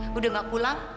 sudah tidak pulang